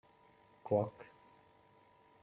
Kvak!